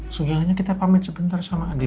segalanya kita pamit sebentar sama andi